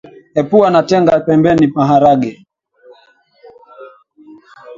Epua na tenga pembeni maharage